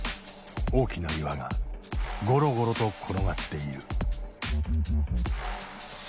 大きな岩がゴロゴロと転がっている。